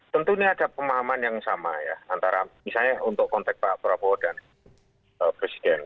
tentu ini ada pemahaman yang sama ya antara misalnya untuk konteks pak prabowo dan presiden